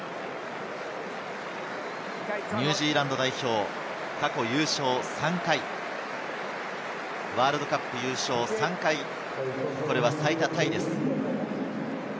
ニュージーランド代表、過去優勝３回、ワールドカップ優勝３回、これは最多タイです。